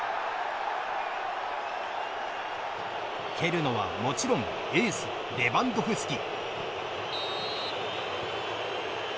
蹴るのは、もちろんエースレバンドフスキ。